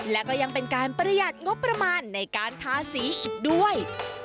และก็ยังเป็นการประหยัดงบประมาณในการทาสีอีกด้วย